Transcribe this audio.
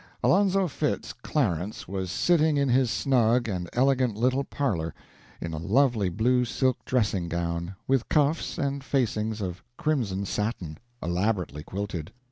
Alonzo Fitz Clarence was sitting in his snug and elegant little parlor, in a lovely blue silk dressing gown, with cuffs and facings of crimson satin, elaborately quilted.